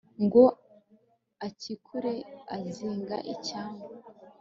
Ngo akikure azinga icyanwa